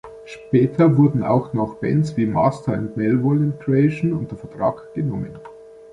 Später wurden auch noch Bands wie Master und Malevolent Creation unter Vertrag genommen.